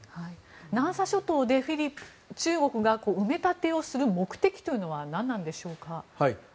南沙諸島で中国が埋め立てをする目的というのは何なんでしょうか。